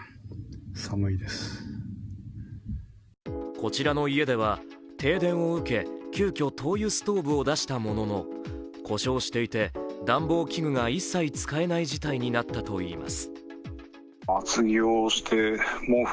こちらの家では停電を受け、急きょ灯油ストーブを出したものの故障していて暖房器具が一切使えない事態になったといいます。